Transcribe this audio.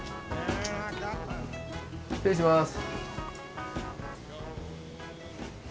失礼します。